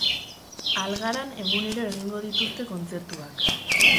Algaran egunero egingo dituzte kontzertuak.